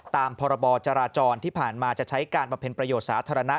ตามพรบจราจรที่ผ่านมาจะใช้การบำเพ็ญประโยชน์สาธารณะ